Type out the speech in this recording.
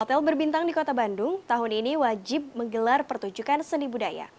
hotel berbintang di kota bandung tahun ini wajib menggelar pertunjukan seni budaya